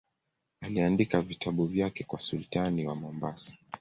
Aliandika vitabu vyake kwa sultani wa Mombasa.